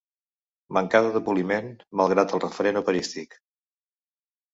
Mancada de poliment, malgrat el referent operístic.